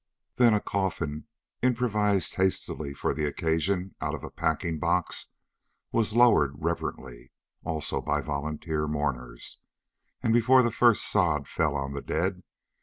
Then a coffin improvised hastily for the occasion out of a packing box was lowered reverently, also by "volunteer" mourners, and before the first sod fell on the dead.